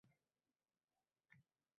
Siz boshqa tuqqanlarga qarayvering